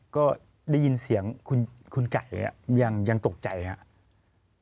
ก็ได้ยินเสียงคุณไก่ยังตกใจครับ